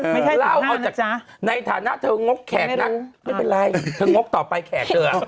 ไม่ใช่๕๕๕นะจ๊ะในฐานะเธองกแขกน่ะไม่เป็นไรเธองกต่อไปแขกเถอะ